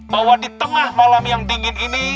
bahwa di tengah malam yang dingin ini